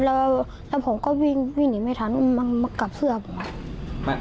แล้วผมก็วิ่งหนีไม่ทันมากับเสื้อผมครับ